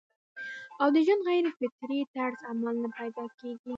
او د ژوند د غېر فطري طرز عمل نه پېدا کيږي